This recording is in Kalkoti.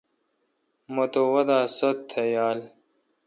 مہ تہ وادہ ست تہ یال۔